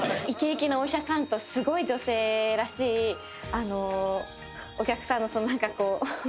イケイケなお医者さんとすごい女性らしいお客さんのその何かこう。